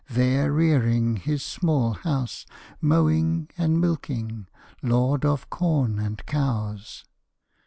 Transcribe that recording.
there rearing his small house; Mowing and milking, lord of corn and cows!